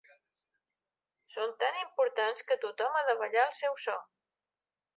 Són tan importants que tothom ha de ballar al seu so.